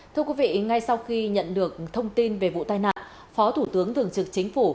thưa quý vị ngay sau khi nhận được thông tin về vụ tai nạn phó thủ tướng thường trực chính phủ